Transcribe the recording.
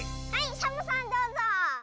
サボさんどうぞ！